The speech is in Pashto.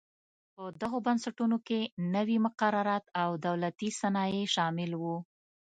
په دغو بنسټونو کې نوي مقررات او دولتي صنایع شامل و.